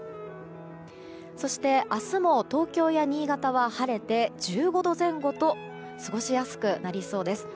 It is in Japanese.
そして明日も東京や新潟は晴れて１５度前後と過ごしやすくなりそうです。